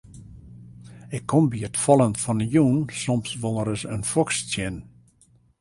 Ik kom by it fallen fan 'e jûn soms wol ris in foks tsjin.